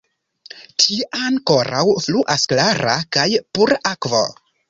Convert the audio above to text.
Tie ankoraŭ fluas klara kaj pura akvo.